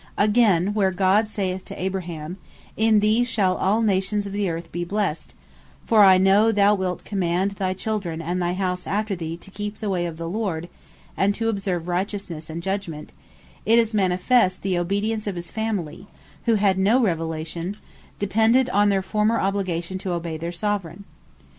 Againe, where God saith to Abraham, "In thee shall all Nations of the earth be blessed: For I know thou wilt command thy children, and thy house after thee to keep the way of the Lord, and to observe Righteousnesse and Judgement," it is manifest, the obedience of his Family, who had no Revelation, depended on their former obligation to obey their Soveraign.